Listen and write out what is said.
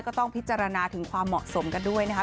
ก็ต้องพิจารณาถึงความเหมาะสมกันด้วยนะคะ